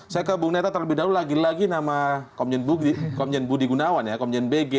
saya ke bung neta terlebih dahulu lagi lagi nama komjen budi gunawan ya komjen bg